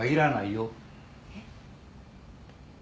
えっ。